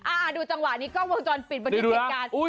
อ่าดูจังหวะนี้กล้องวงจรปิดบริเทศการ